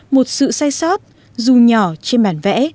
một sự sai sót dù nhỏ trên bản vẽ